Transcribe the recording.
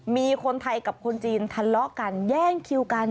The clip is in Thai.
มีคนไทยกับคนจีนทะเลาะกันแย่งคิวกัน